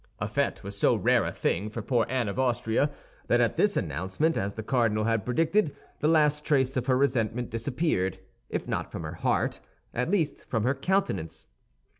A fête was so rare a thing for poor Anne of Austria that at this announcement, as the cardinal had predicted, the last trace of her resentment disappeared, if not from her heart, at least from her countenance.